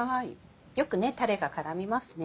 よくタレが絡みますね。